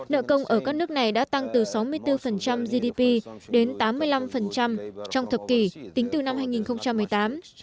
nợ công ở các nước này đã tăng từ sáu mươi bốn gdp đến tám mươi năm trong thập kỷ tính từ năm hai nghìn một mươi tám